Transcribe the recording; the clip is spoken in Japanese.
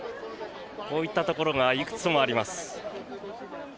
こういったところがいくつもあります。